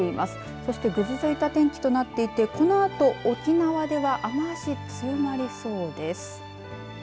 そして、ぐずついた天気となっていて、このあと沖縄では雨足、強まりそうです。